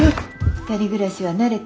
２人暮らしは慣れた？